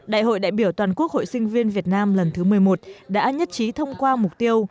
đại hội đại biểu toàn quốc hội sinh viên việt nam lần thứ một mươi một đã nhất trí thông qua mục tiêu